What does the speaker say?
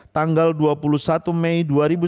tanggal dua puluh satu mei dua ribu sembilan belas